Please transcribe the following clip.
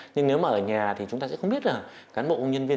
nhưng nếu ở nhà thì chúng ta sẽ không biết là cán bộ nhân viên